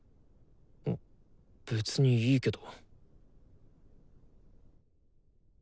別にいいけど。